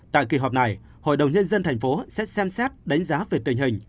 tại kỳ họp này hội đồng nhân dân thành phố sẽ xem xét đánh giá về tình hình